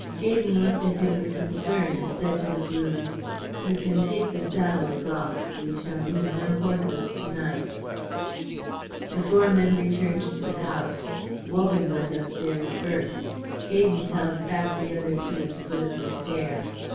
Gaydon looked at him with concern and said to the groom, "You can take the saddles off. We shall need no horses to night." The four men returned to the house. Wogan went upstairs first. Gaydon held back the other two at the foot of the stairs.